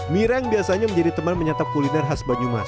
mirang biasanya menjadi teman menyatap kuliner khas banyumas